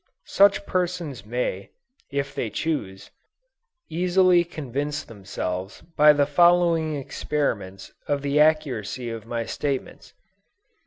Such persons may, if they choose, easily convince themselves by the following experiments of the accuracy of my statements.